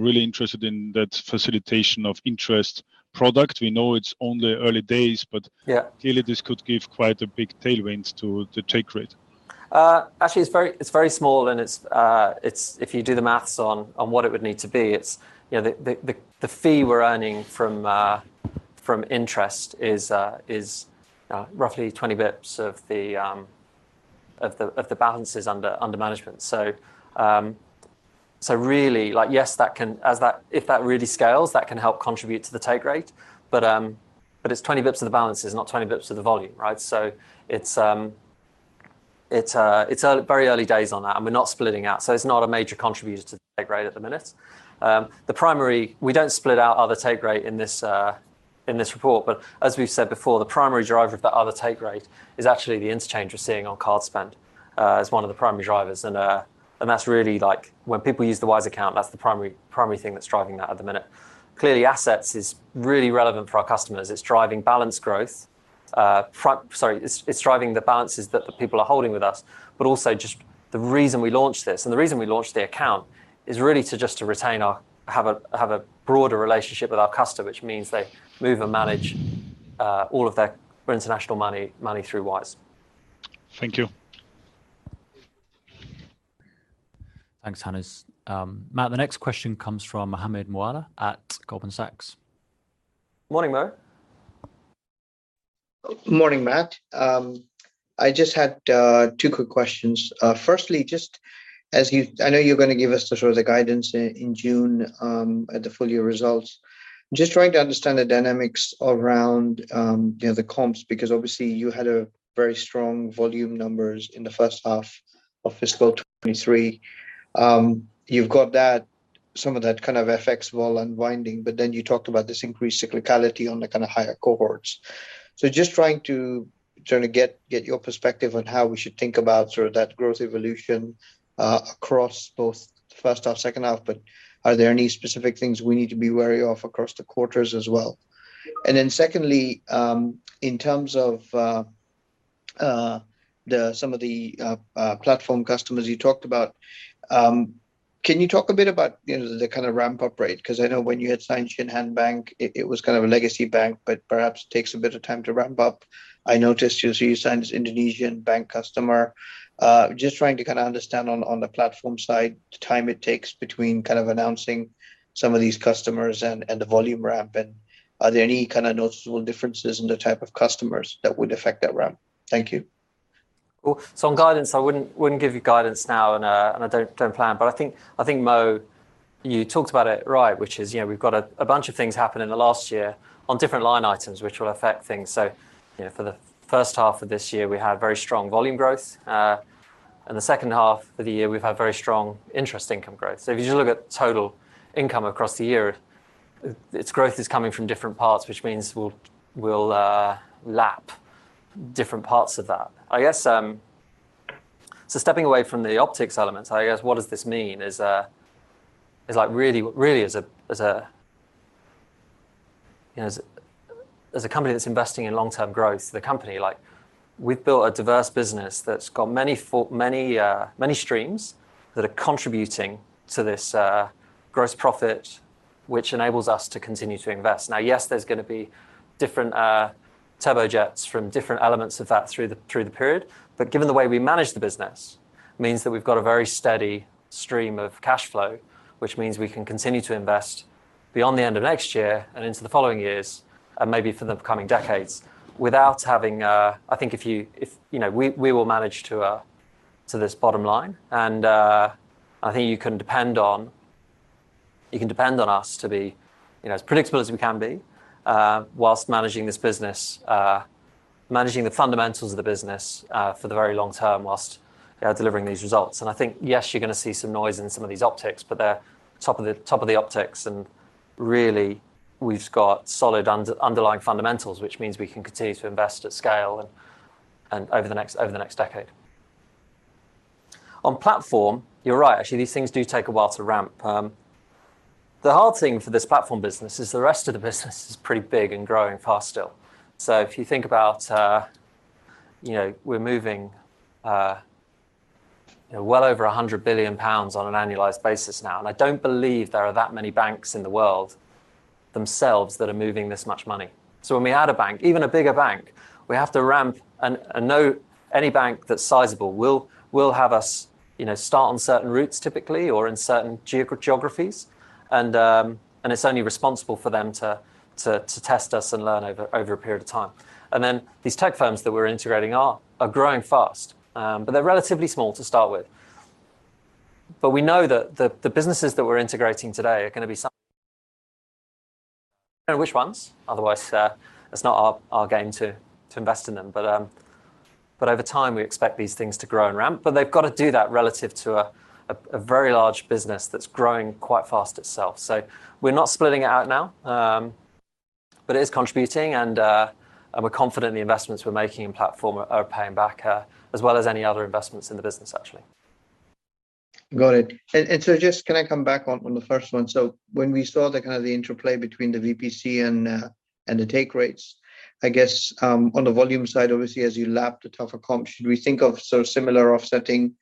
really interested in that facilitation of interest product. We know it's only early days. Yeah. ...Clearly this could give quite a big tailwinds to take rate. Actually it's very, it's very small and it's If you do the math on what it would need to be it's, you know, the fee we're earning from interest is roughly 20 basis points of the balances under management. Really like yes, that can if that really scales, that can help contribute to the take rate. It's 20 basis points of the balances, not 20 basis points of the volume, right? It's very early days on that and we're not splitting out, so it's not a major contributor to the take rate at the minute. We don't split out other take rate in this report. As we've said before, the primary driver of that other take rate is actually the interchange we're seeing on card spend, is one of the primary drivers. That's really like when people use the Wise Account, that's the primary thing that's driving that at the minute. Clearly, Assets is really relevant for our customers. It's driving balance growth. Sorry. It's driving the balances that the people are holding with us, but also just the reason we launched this and the reason we launched the Account is really to just to have a broader relationship with our customer, which means they move and manage all of their international money through Wise. Thank you. Thanks, Hannes. Matt, the next question comes from Mohammed Moawalla at Goldman Sachs. Morning, Mo. Morning, Matt. I just had two quick questions. Firstly, I know you're gonna give us the sort of the guidance in June at the full year results. Just trying to understand the dynamics around, you know, the comps, because obviously you had a very strong volume numbers in the first half of fiscal 2023. You've got that, some of that kind of FX vol unwinding, but then you talked about this increased cyclicality on the kind of higher cohorts. Just trying to get your perspective on how we should think about sort of that growth evolution across both first half, second half, but are there any specific things we need to be wary of across the quarters as well? Secondly, in terms of the, some of the platform customers you talked about, can you talk a bit about, you know, the kind of ramp-up rate? 'Cause I know when you had signed Shinhan Bank, it was kind of a legacy bank, but perhaps takes a bit of time to ramp up. I noticed you signed this Indonesian bank customer. Just trying to kinda understand on the platform side, the time it takes between kind of announcing some of these customers and the volume ramp, and are there any kind of noticeable differences in the type of customers that would affect that ramp? Thank you. Cool. On guidance, I wouldn't give you guidance now and I don't plan. I think, Mo, you talked about it, right, which is, you know, we've got a bunch of things happen in the last year on different line items which will affect things. You know, for the first half of this year we had very strong volume growth. The second half of the year we've had very strong interest income growth. If you just look at total income across the year, its growth is coming from different parts, which means we'll lap different parts of that. I guess, so stepping away from the optics elements, I guess what does this mean is like really, really as a, you know, as a company that's investing in long-term growth, the company, like we've built a diverse business that's got many streams that are contributing to this, gross profit, which enables us to continue to invest. Yes, there's gonna be different turbojets from different elements of that through the period. Given the way we manage the business means that we've got a very steady stream of cash flow, which means we can continue to invest beyond the end of next year and into the following years, and maybe for the coming decades, without having... I think if you know... We will manage to to this bottom line. I think, yes, you're gonna see some noise in some of these optics, but they're top of the optics and really we've got solid underlying fundamentals, which means we can continue to invest at scale and over the next decade. On Platform, you're right. Actually, these things do take a while to ramp. The hard thing for this Platform business is the rest of the business is pretty big and growing fast still. If you think about, you know, we're moving, you know, well over 100 billion pounds on an annualized basis now. I don't believe there are that many banks in the world themselves that are moving this much money. When we add a bank, even a bigger bank, we have to ramp and know any bank that's sizable will have us, you know, start on certain routes typically, or in certain geographies, and it's only responsible for them to test us and learn over a period of time. Then these tech firms that we're integrating are growing fast. They're relatively small to start with. We know that the businesses that we're integrating today are gonna be some... Know which ones, otherwise, it's not our game to invest in them. Over time we expect these things to grow and ramp, but they've gotta do that relative to a, a very large business that's growing quite fast itself. We're not splitting it out now, but it is contributing and we're confident the investments we're making in Wise Platform are paying back as well as any other investments in the business, actually. Got it. Just can I come back on the first one? When we saw the kind of the interplay between the VPC and the take rates, I guess, on the volume side, obviously as you lap the tougher comp, should we think of similar offsetting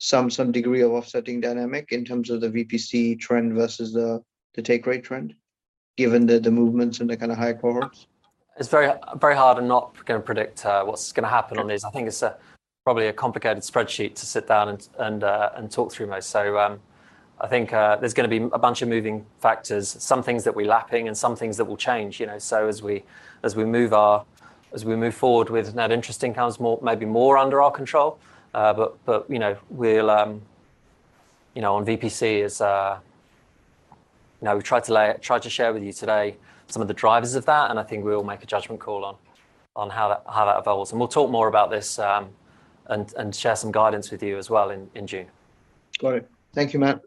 some degree of offsetting dynamic in terms of the VPC trend versus the take rate trend, given the movements in the kind of high quarters? It's very, very hard. I'm not gonna predict, what's gonna happen on these. Sure. I think it's probably a complicated spreadsheet to sit down and talk through most. I think there's gonna be a bunch of moving factors, some things that we are lapping and some things that will change, you know. As we move forward with net interest incomes more, maybe more under our control. But, you know, we'll, you know, on VPC as, you know, we tried to share with you today some of the drivers of that, and I think we'll make a judgment call on how that evolves and we'll talk more about this, and share some guidance with you as well in June. Got it. Thank you, Matt.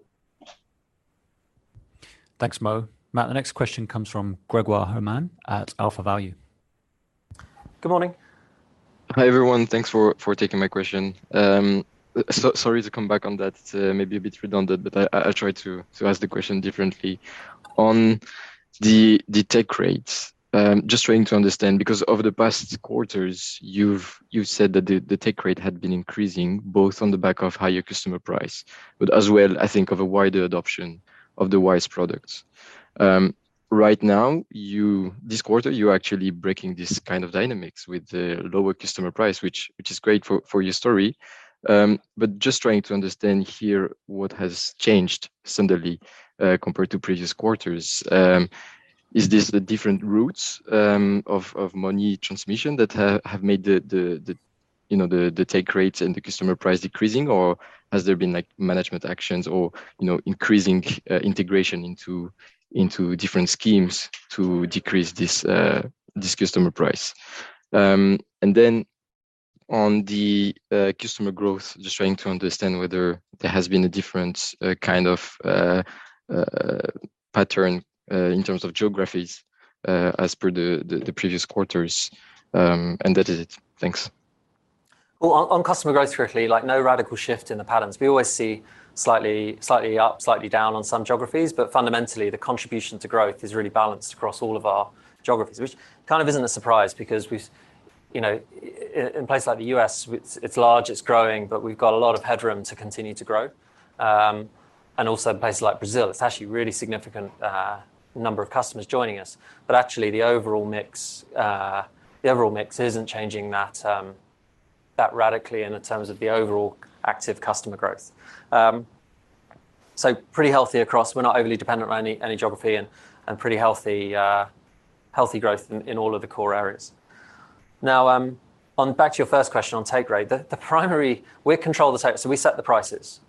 Thanks Mo. Matt, the next question comes from Grégoire Hermann at AlphaValue. Good morning. Hi everyone. Thanks for taking my question. Sorry to come back on that. Maybe a bit redundant, but I tried to ask the question differently. On the take rates, just trying to understand, because over the past quarters, you've said that the take rate had been increasing both on the back of higher customer price, but as well, I think of a wider adoption of the Wise products. Right now, this quarter, you're actually breaking this kind of dynamics with the lower customer price, which is great for your story. Just trying to understand here what has changed suddenly compared to previous quarters. Is this the different routes of money transmission that have made the, you know, the take rates and the customer price decreasing? Has there been like management actions or, you know, increasing integration into different schemes to decrease this customer price? On the customer growth, just trying to understand whether there has been a different kind of pattern in terms of geographies as per the previous quarters. That is it. Thanks. Well, on customer growth quickly, like no radical shift in the patterns. We always see slightly up, slightly down on some geographies, but fundamentally the contribution to growth is really balanced across all of our geographies, which kind of isn't a surprise because we've, you know, in places like the U.S. it's large, it's growing, but we've got a lot of headroom to continue to grow. Also places like Brazil, it's actually really significant number of customers joining us. Actually the overall mix, the overall mix isn't changing that radically in terms of the overall active customer growth. Pretty healthy across. We're not overly dependent on any geography and pretty healthy growth in all of the core areas. Now, on back to your first question on take rate, the primary... We control the take. We set the prices,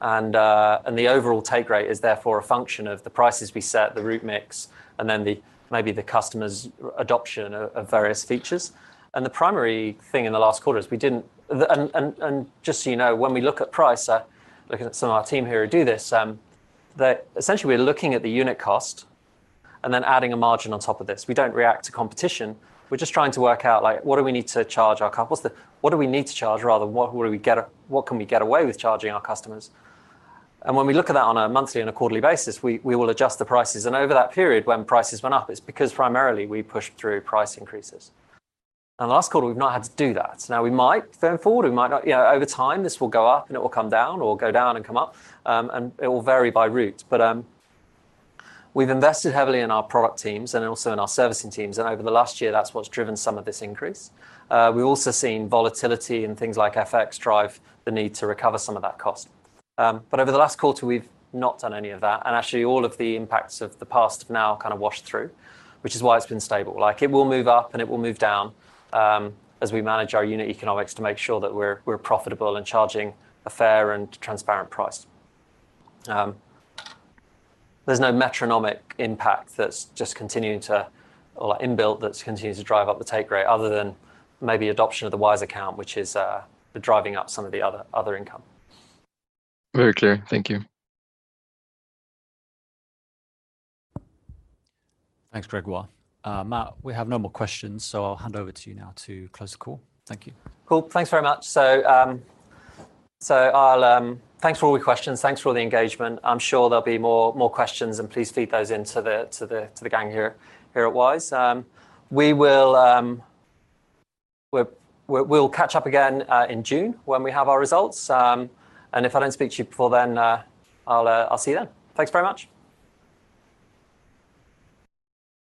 and the overall take rate is therefore a function of the prices we set, the route mix, and then the customer's adoption of various features. The primary thing in the last quarter is we didn't. Just so you know, when we look at price, looking at some of our team here who do this, essentially we are looking at the unit cost and then adding a margin on top of this. We don't react to competition. We're just trying to work out like what do we need to charge, rather, what can we get away with charging our customers? When we look at that on a monthly and a quarterly basis, we will adjust the prices. Over that period when prices went up, it's because primarily we pushed through price increases. The last quarter we've not had to do that. Now we might going forward, we might not. You know, over time this will go up and it will come down or go down and come up. And it will vary by route. We've invested heavily in our product teams and also in our servicing teams, and over the last year, that's what's driven some of this increase. We've also seen volatility in things like FX drive the need to recover some of that cost. Over the last quarter, we've not done any of that. Actually all of the impacts of the past now kind of washed through, which is why it's been stable. Like it will move up and it will move down, as we manage our unit economics to make sure that we're profitable and charging a fair and transparent price. There's no metronomic impact that's just continuing to, or like inbuilt, that's continuing to drive up the take rate other than maybe adoption of the Wise Account, which is driving up some of the other income. Very clear. Thank you. Thanks, Grégoire. Matt, we have no more questions. I'll hand over to you now to close the call. Thank you. Cool. Thanks very much. Thanks for all the questions. Thanks for all the engagement. I'm sure there'll be more questions and please feed those into the gang here at Wise. We will, we'll catch up again in June when we have our results. If I don't speak to you before then, I'll see you then. Thanks very much.